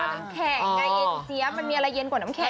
นางแขกมันมีอะไรเย็นกว่าน้ำแขก